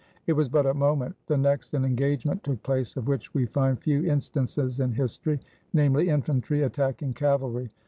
It was but a mo ment. The next, an engagement took place of which we find few instances in history, namely, infantry attacking cavalry.